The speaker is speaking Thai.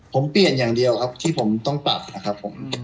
ผมเปลี่ยนอย่างเดียวครับที่ผมต้องปรับนะครับผม